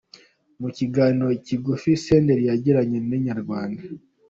Mu kiganiro kigufi Senderi yagiranye na Inyarwanda.